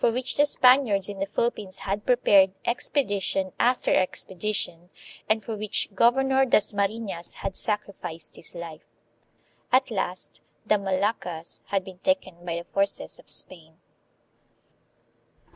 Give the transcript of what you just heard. which the Spaniards in the Philippines had prepared ex pedition after expedition, and for which Governor Das marinas had sacrificed his life. At last the Moluccas had been taken by the forces of Spain.